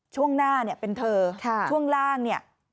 ช่วงหน้าเนี่ยเป็นเธอช่วงล่างเนี่ย